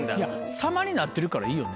様になってるからいいよね。